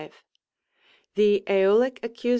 The ^Eolic Accus.